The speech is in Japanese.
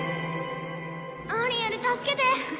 「アリエル助けて」